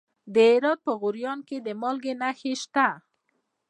د هرات په غوریان کې د مالګې نښې شته.